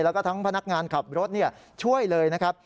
แล้วก็ทั้งพนักงานขับรถช่วยเลยนะครับ